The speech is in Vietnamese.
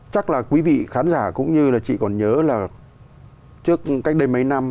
chắc là quý vị khán giả cũng như là chị còn nhớ là trước cách đây mấy năm